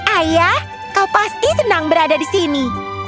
ayah kau pasti senang berada di sini